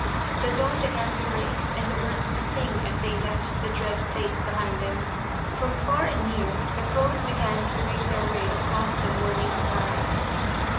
The dawn began to break and the birds to sing as they left the dread place behind them. From far and near the crows began to wing their way across the morning sky.